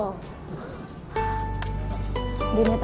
dinitralkan sama petik